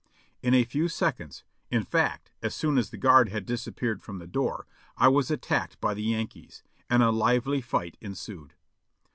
In a few seconds, in fact as soon as the guard had disappeared from the door, I was attacked by the Yankees, and a lively fight ensued.